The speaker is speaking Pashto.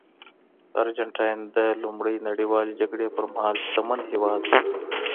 ارجنټاین د لومړۍ نړیوالې جګړې پرمهال شتمن هېواد و.